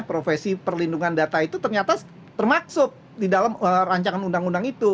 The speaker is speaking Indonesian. profesi perlindungan data itu ternyata termaksud di dalam rancangan undang undang itu